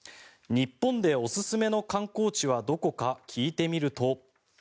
日本でおすすめの観光地はどこか聞いてみると。